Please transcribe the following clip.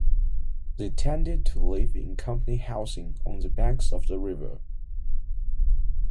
They tended to live in company housing on the banks of the river.